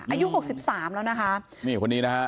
อายุ๖๓แล้วนะคะ